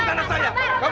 sakti kabar baik